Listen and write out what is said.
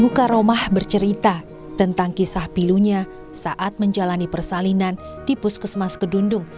buka romah bercerita tentang kisah pilunya saat menjalani persalinan di puskesmas kedundung